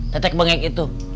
tetek bengek itu